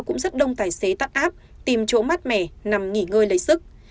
cũng rất đông tài xế tắt áp tìm chỗ mát mẻ nằm nghỉ ngơi lấy sức